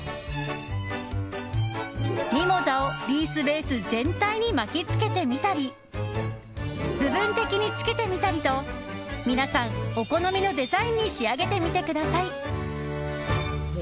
ミモザをリースベース全体に巻き付けてみたり部分的につけてみたりと皆さん、お好みのデザインに仕上げてみてください。